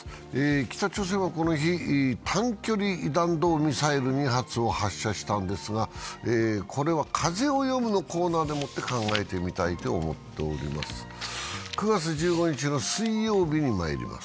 北朝鮮はこの日、短距離弾道ミサイル２発を発射したんですが、これは「風をよむ」のコーナーでもって考えてみたいと思っております。